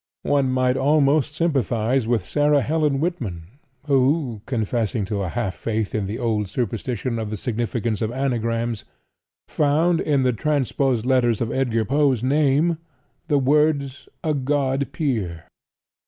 One might almost sympathize with Sarah Helen Whitman, who, confessing to a half faith in the old superstition of the significance of anagrams, found, in the transposed letters of Edgar Poe's name, the words "a God peer."